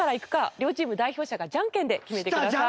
両チーム代表者がじゃんけんで決めてください。